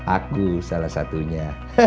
aku salah satunya